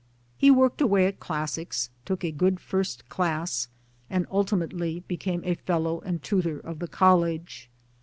He worked away at Classics, took a good first class, and ultimately became a fellow and tutor of the College.